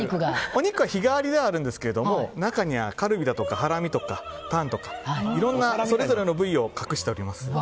お肉は日替わりなんですが中にはカルビだとかハラミだとかタンだとかいろんなそれぞれの部位を隠しております。